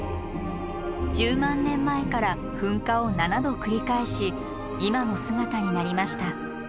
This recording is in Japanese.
１０万年前から噴火を７度繰り返し今の姿になりました。